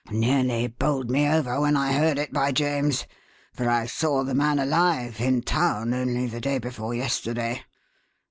Nearly bowled me over when I heard it, by James! for I saw the man alive in town only the day before yesterday.